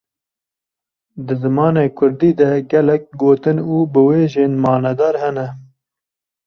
Di zimanê kurdî de gelek gotin û biwêjên manedar hene.